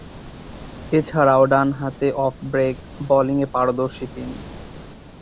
এছাড়াও, ডানহাতে অফ-ব্রেক বোলিংয়ে পারদর্শী তিনি।